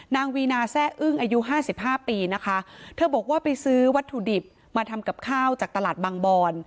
วีนาแซ่อึ้งอายุห้าสิบห้าปีนะคะเธอบอกว่าไปซื้อวัตถุดิบมาทำกับข้าวจากตลาดบางบอน